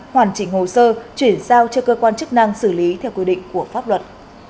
hoàn chỉnh hồ sơ chuyển giao cho cơ quan chức năng xử lý theo quy định của pháp luật